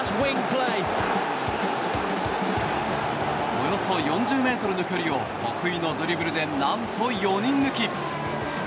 およそ４０ｍの距離を得意のドリブルでなんと４人抜き。